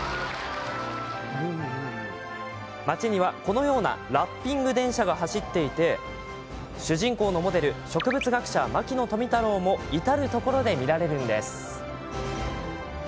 町には、このようなラッピング電車が走っていて主人公のモデル植物学者、牧野富太郎も至る所で見られるんです。